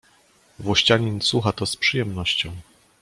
"Włościanin słucha to z przyjemnością“."